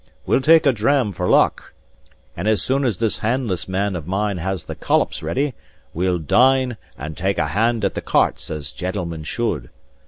We'll take a dram for luck, and as soon as this handless man of mine has the collops ready, we'll dine and take a hand at the cartes as gentlemen should.